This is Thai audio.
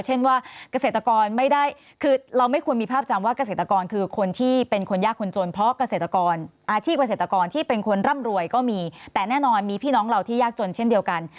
เช่นว่าเกษตรกรไม่ได้คือเราไม่ควรมีภาพจำว่าเกษตรกรคือคนที่เป็นคนยากคนจนเพราะเกษตรกรอาชีพเกษตรกรที่เป็นคนร่ำรวยก็มีแต่แน่นอนมีพี่น้องเราที่ยากจนเช่นเดียวกัน